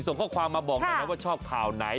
ส่งข้อความมาบอกหน่อยนะว่าชอบข่าวไหน